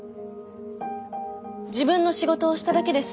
自分の仕事をしただけです。